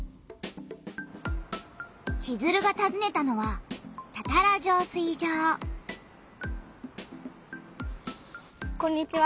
チズルがたずねたのはこんにちは。